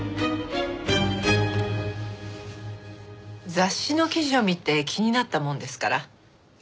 雑誌の記事を見て気になったものですから。